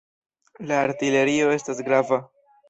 La artilerio estas grava.